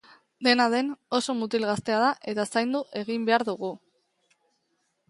Dena den, oso mutil gaztea da eta zaindu egin behar dugu.